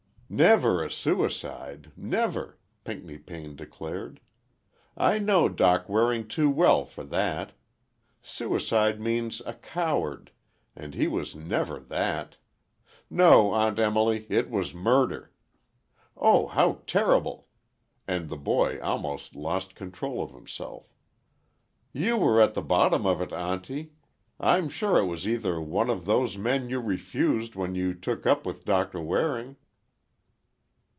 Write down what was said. "Never a suicide! never!" Pinckney Payne declared. "I know Doc Waring too well for that. Suicide means a coward—and he was never that! No, Aunt Emily, it was murder. Oh, how terrible," and the boy almost lost control of himself. "You were at the bottom of it, Auntie. I'm sure it was either one of those men you refused when you took up with Doc Waring."